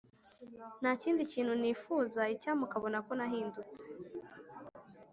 ntakindi kintu nifuza icyampa ukabona ko nahindutse